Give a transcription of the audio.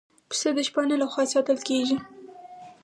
پسه د شپانه له خوا ساتل کېږي.